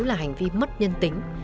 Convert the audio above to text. là hành vi mất nhân tính